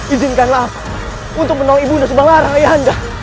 izinkanlah aku untuk menolong ibu nusibangarang ayah anda